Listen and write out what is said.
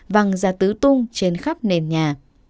văng ra tứ tung trên khắp nền nhà